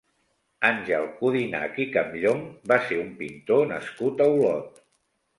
Àngel Codinach i Campllonc va ser un pintor nascut a Olot.